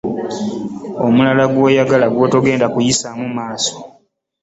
Omulala gw'oyagala gw'otogenda kuyisaamu maaso?